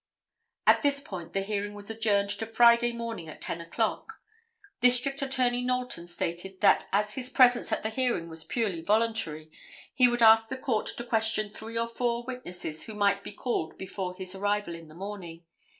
At this point the hearing was adjourned to Friday morning at 10 o'clock. District Attorney Knowlton stated that as his presence at the hearing was purely voluntary, he would ask the Court to question three or four witnesses who might be called before his arrival in the morning.